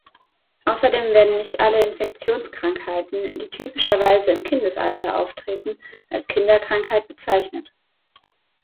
Außerdem werden nicht alle Infektionskrankheiten, die typischerweise im Kindesalter auftreten, als Kinderkrankheit bezeichnet.